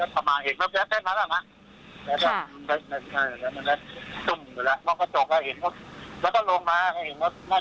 อ๋อใครที่อยากให้เกิดผมรู้สึกไม่ดีเลย